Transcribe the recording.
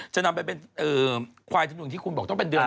จะนำไปเป็นควายจำนวนที่คุณบอกต้องเป็นเดือน